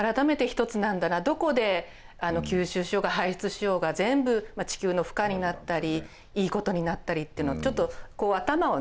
どこで吸収しようが排出しようが全部地球の負荷になったりいいことになったりってのはちょっとこう頭をね